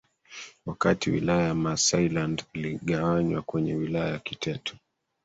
wakati Wilaya ya Maasailand iligawanywa kwenye Wilaya ya Kiteto